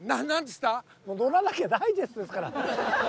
乗らなきゃダイジェストですから。